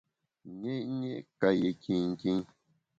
Nyé’nyé’ ka yé kinkin.